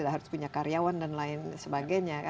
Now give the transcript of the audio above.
harus punya karyawan dan lain sebagainya